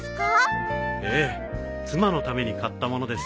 ええ妻のために買ったものです。